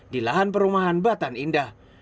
di lahan perumahan batan indah